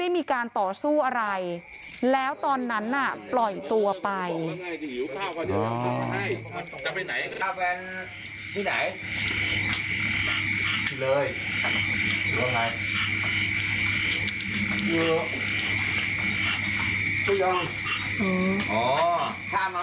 นี่มีใครรู้ยังแฟนญาติแฟน